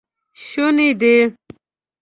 شونی دی